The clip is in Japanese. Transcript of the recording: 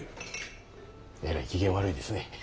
えらい機嫌悪いですね。